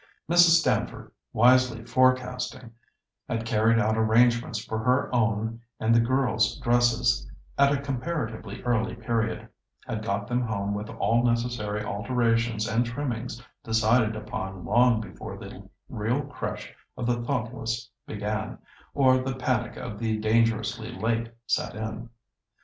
Mrs. Stamford, wisely forecasting, had carried out arrangements for her own and the girls' dresses at a comparatively early period, had got them home with all necessary alterations and trimmings decided upon long before the real crush of the thoughtless began, or the panic of the dangerously late set in.